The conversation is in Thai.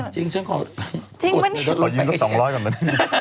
จริงขอยิ้มกับ๒๐๐บาทก่อน